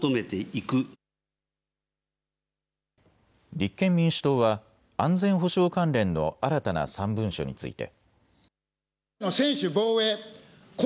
立憲民主党は安全保障関連の新たな３文書について。